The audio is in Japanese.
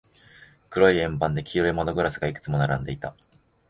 黒い円盤で、黄色い窓ガラスがいくつも並んでいた。